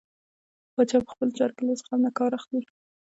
پاچا په خپلو چارو کې له زغم نه کار نه اخلي .